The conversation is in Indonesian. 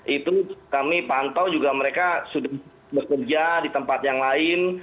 itu kami pantau juga mereka sudah bekerja di tempat yang lain